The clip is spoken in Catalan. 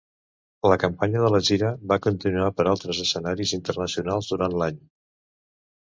La campanya de la gira va continuar per altres escenaris internacionals durant l"any.